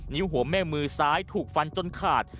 หัวแม่มือซ้ายถูกฟันจนขาด